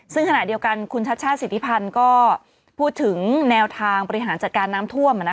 ซึ่งขณะเดียวกันคุณชัชชาติสิทธิพันธ์ก็พูดถึงแนวทางบริหารจัดการน้ำท่วม